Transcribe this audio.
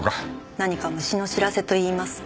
何か虫の知らせといいますか。